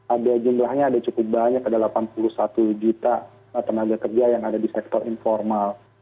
ada jumlahnya ada cukup banyak ada delapan puluh satu juta tenaga kerja yang ada di sektor informal